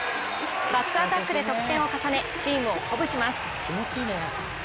バックアタックで得点を重ねチームを鼓舞します。